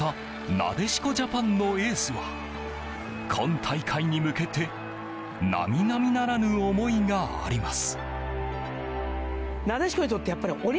なでしこジャパンのエースは今大会に向けて並々ならぬ思いがあります。